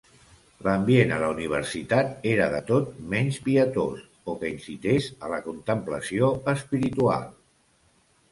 L'ambient a la universitat era de tot menys pietós o que incités a la contemplació espiritual.